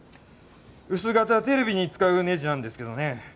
薄型テレビに使うねじなんですけどね。